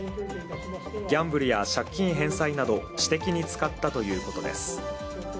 ギャンブルや借金返済など私的に使ったということです。